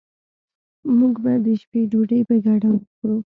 موږ به د شپې ډوډي په ګډه وخورو